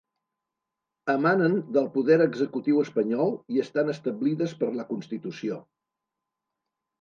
Emanen del poder executiu espanyol i estan establides per la Constitució.